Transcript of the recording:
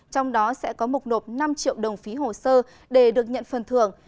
trong đó sẽ có mục nộp năm triệu đồng phí hồ sơ để được nhận phần thưởng